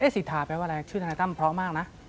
สิทธาแปลว่าอะไรชื่อทนายตั้มพร้อมมากนะ